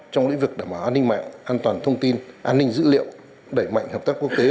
trong lĩnh vực đảm bảo an ninh mạng an toàn thông tin an ninh dữ liệu đẩy mạnh hợp tác quốc tế